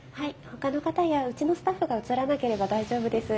ほかの方やうちのスタッフが写らなければ大丈夫です。